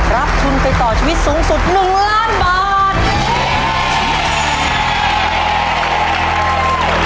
รับทุนไปต่อชีวิตสูงสุด๑ล้านบาท